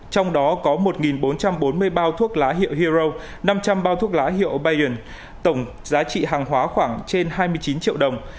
trong đó có một bốn trăm bốn mươi bao thuốc lá hiệu hero năm trăm linh bao thuốc lá hiệu biden tổng giá trị hàng hóa khoảng trên hai mươi chín triệu đồng